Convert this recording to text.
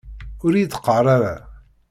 Ur iyi-d-qqar ara!